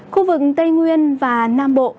khu vực tây nguyên và nam bộ